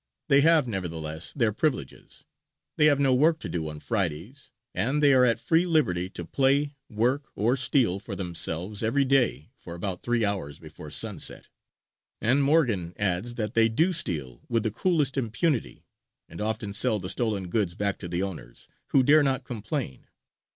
They have nevertheless their privileges; they have no work to do on Fridays, and they are at free liberty to play, work, or steal for themselves every day for about three hours before sunset, and Morgan adds that they do steal with the coolest impunity, and often sell the stolen goods back to the owners, who dare not complain.